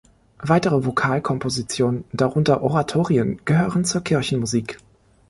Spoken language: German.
Weitere Vokal-Kompositionen, darunter Oratorien, gehören zur Kirchenmusik.